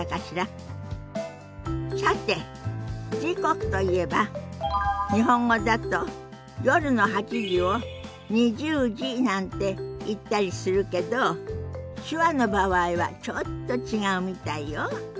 さて時刻といえば日本語だと夜の８時を２０時なんて言ったりするけど手話の場合はちょっと違うみたいよ。